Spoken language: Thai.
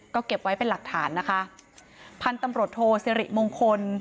ก็เก็บไว้เป็นหลักฐานนะคะพันธุ์ตำรวจโทสิริมงคล